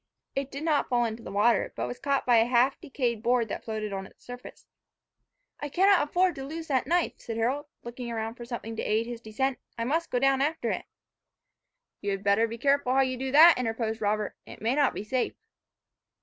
It did not fall into the water, but was caught by a half decayed board that floated on its surface. "I cannot afford to lose that knife," said Harold, looking around for something to aid his descent, "I must go down after it." "You had better be careful how you do that," interposed Robert, "it may not be safe."